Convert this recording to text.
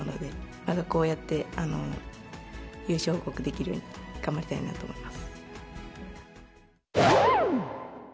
またこうやって優勝報告できるように、頑張りたいなと思います。